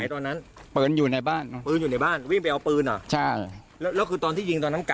อันนี้คำต่ออ้างของผู้ก่อเหตุนะครับทุกผู้ชมครับ